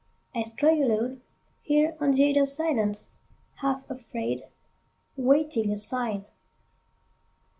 I stray aloneHere on the edge of silence, half afraid, Waiting a sign.